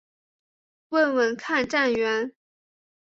问问看站员